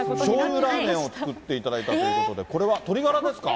しょうゆラーメンを作っていただいたということで、これは鶏